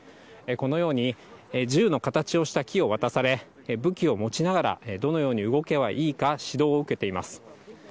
このように、銃の形をした木を渡され、武器を持ちながら、どのように動けばいいか、指導を受けています。